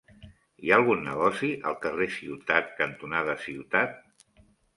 Hi ha algun negoci al carrer Ciutat cantonada Ciutat?